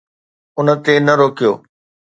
ان تي نه روڪيو.